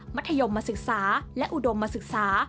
ธยมศึกษาและอุดมศึกษา